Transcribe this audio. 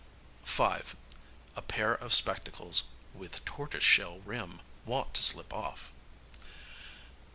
5. A pair of spectacles "with tortoise shell rim." Wont to slip off.